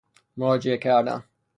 مراجعه کردن